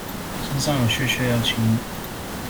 身上有屑屑要清理